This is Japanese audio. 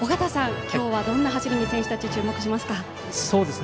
今日はどんな走りに選手たち、注目しますか。